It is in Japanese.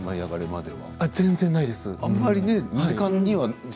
全然ないです。